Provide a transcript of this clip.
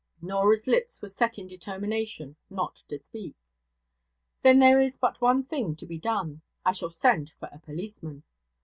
Norah's lips were set in determination not to speak. 'Then there is but one thing to be done. I shall send for a policeman.'